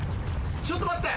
ちょっと待って。